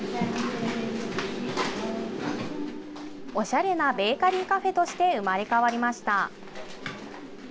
おしゃれなベーカリーカフェとして生まれ変わりました。